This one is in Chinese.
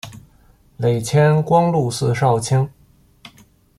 累迁光禄寺少卿。